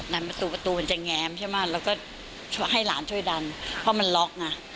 ประตูประตูมันจะแง้มใช่ไหมแล้วก็ให้หลานช่วยดันเพราะมันล็อกไง